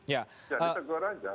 ya ditegur saja